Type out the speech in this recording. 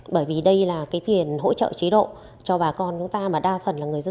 bởi vì đây là cái tiền hỗ trợ chế độ cho bà con chúng ta